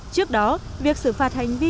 trước đó việc xử phạt hành vi